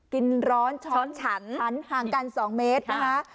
กินร้อนช้อนฉันฉันห่างกัน๒เมตรนะคะ